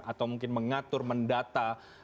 atau mungkin mengatur mendata